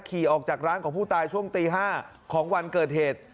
ขี่ออกจากร้านของผู้ตายช่วงตี๕ของวันเกิดเหตุ